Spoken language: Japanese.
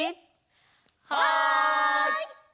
はい！